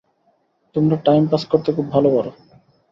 তোমরা time pass করতে খুব ভাল পারো।